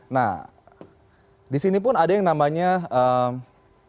nah di sini pun ada yang namanya kompensasi ya